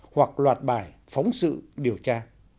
hoặc loạt bài phóng sự điều tra